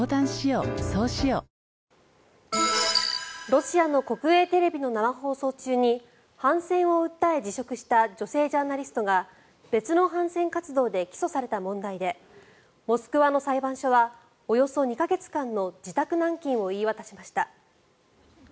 ロシアの国営テレビの生放送中に反戦を訴え辞職した女性ジャーナリストが別の反戦活動で起訴された問題でモスクワの裁判所はおよそ２か月間の自宅軟禁を言い渡しました。